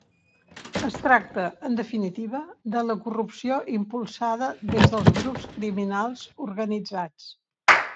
Es tracta, en definitiva, de la corrupció impulsada des dels grups criminals organitzats.